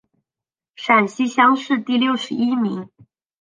陕西乡试第六十一名。